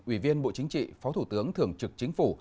ủy viên bộ chính trị phó thủ tướng thường trực chính phủ